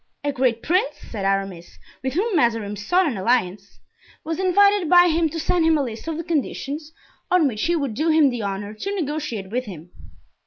"A great prince," said Aramis, "with whom Mazarin sought an alliance, was invited by him to send him a list of the conditions on which he would do him the honor to negotiate with him.